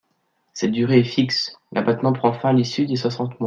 Cette durée est fixe : l’abattement prend fin à l’issue des soixante mois.